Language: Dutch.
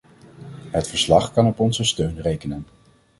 Het verslag kan op onze steun rekenen.